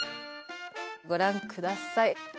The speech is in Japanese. ご覧ください。